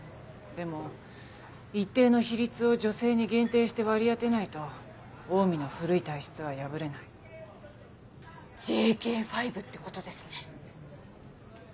でも一定の比率を女性に限定して割り当てないとオウミの古い体質は破れない。「ＪＫ５」ってことですね。